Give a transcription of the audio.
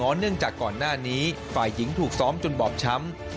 เนื่องจากก่อนหน้านี้ฝ่ายหญิงถูกซ้อมจนบอบช้ำ